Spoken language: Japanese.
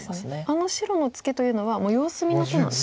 あの白のツケというのは様子見の手なんですか？